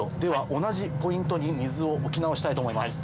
同じポイントに水を置き直したいと思います。